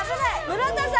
村田さん